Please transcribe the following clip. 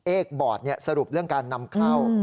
เอกบอร์ดเนี่ยสรุปเรื่องการนำเข้า